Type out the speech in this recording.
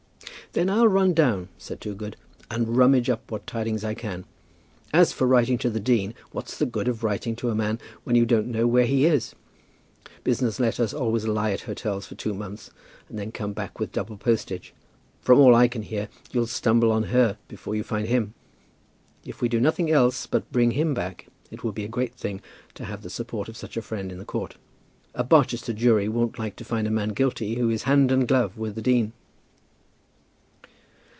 "Then I'll run down," said Toogood, "and rummage up what tidings I can. As for writing to the dean, what's the good of writing to a man when you don't know where he is? Business letters always lie at hotels for two months, and then come back with double postage. From all I can hear, you'll stumble on her before you find him. If we do nothing else but bring him back, it will be a great thing to have the support of such a friend in the court. A Barchester jury won't like to find a man guilty who is hand and glove with the dean."